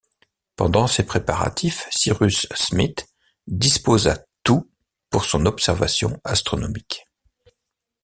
Pendant ces préparatifs, Cyrus Smith disposa tout pour son observation astronomique.